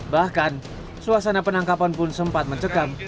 bahkan suasana penangkapan pun sempat mencekam